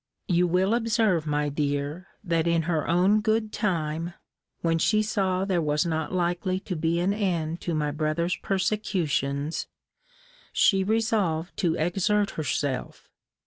You will observe, my dear, that in her own good time, when she saw there was not likely to be an end to my brother's persecutions, she resolved to exert herself.